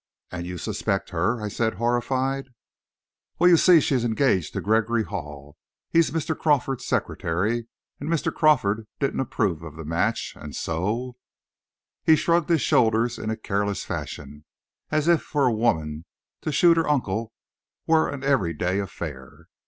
"And you suspect her?" I said, horrified. "Well, you see, she's engaged to Gregory Hall he's Mr. Crawford's secretary and Mr. Crawford didn't approve of the match; and so " He shrugged his shoulders in a careless fashion, as if for a woman to shoot her uncle were an everyday affair.